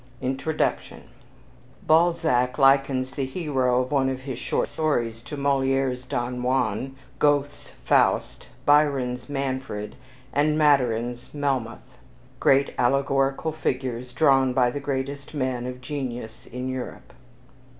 Introduction to Melmoth the Wanderer Balzac likens the hero of one of his short stories to "Moliere's Don Juan, Goethe's Faust, Byron's Manfred, Maturin's Melmoth great allegorical figures drawn by the greatest men of genius in Europe."